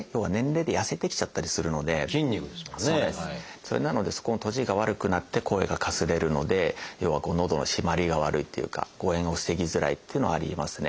それなのでそこの閉じが悪くなって声がかすれるので要はのどの閉まりが悪いっていうか誤えんを防ぎづらいっていうのはありますね。